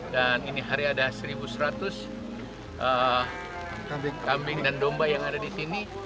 dan ini hari ada satu seratus kambing dan domba yang ada di sini